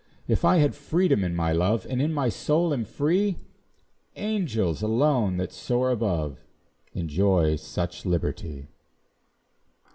If I have freedom in my love, And in my soul am free, Angels alone, that soar above, Enjoy such liberty.